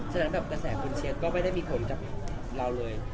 ฉะนั้นแบบกระแสคุณเชียร์ก็ไม่ได้มีผลกับเราเลย